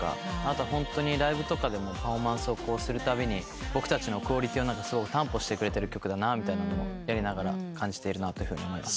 後はホントにライブとかでもパフォーマンスをするたびに僕たちのクオリティーを担保してくれてる曲だなとやりながら感じているなと思います。